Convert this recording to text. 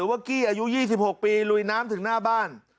อายุ๑๖ปีลุยน้ำถึงหน้าบ้าน